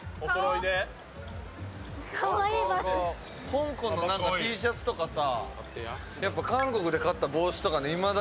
香港の何かＴシャツとかさ。